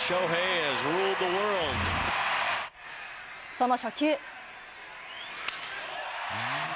その初球。